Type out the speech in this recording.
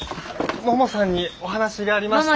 ももさんにお話がありまして。